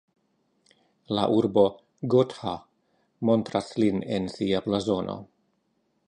La urbo Gotha montras lin en sia blazono.